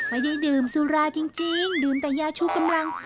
ไม่ได้ดื่มสุราจริงดื่มแต่ยาชูกำลัง